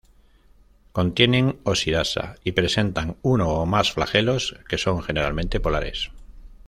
Contienen oxidasa y presentan uno o más flagelos, que son generalmente polares.